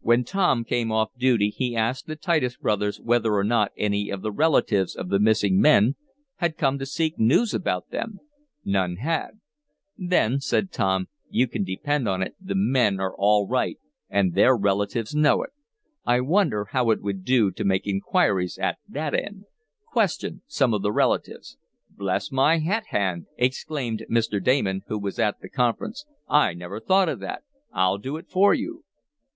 When Tom came off duty he asked the Titus brothers whether or not any of the relatives of the missing men had come to seek news about them. None had. "Then," said Tom, "you can depend on it the men are all right, and their relatives know it. I wonder how it would do to make inquiries at that end? Question some of the relatives." "Bless my hat band!" exclaimed Mr. Damon, who was at the conference. "I never thought of that. I'll do it for you."